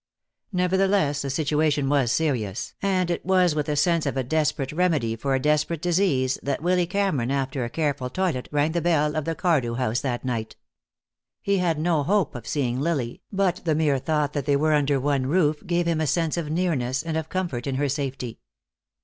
Nevertheless the situation was serious, and it was with a sense of a desperate remedy for a desperate disease that Willy Cameron, after a careful toilet, rang the bell of the Cardew house that night. He had no hope of seeing Lily, but the mere thought that they were under one roof gave him a sense of nearness and of comfort in her safety.